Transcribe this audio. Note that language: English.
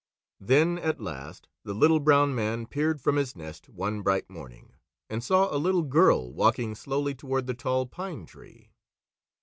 Then at last the Little Brown Man peered from his nest one bright morning and saw a little girl walking slowly toward the Tall Pine Tree.